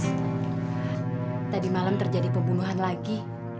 tadi malam terjadi pembunuhan lagi